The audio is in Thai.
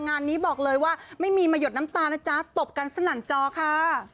งานนี้บอกเลยว่าไม่มีมาหยดน้ำตานะจ๊ะตบกันสนั่นจอค่ะ